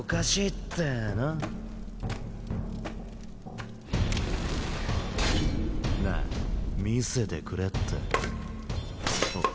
ってぇのなあ見せてくれってあっ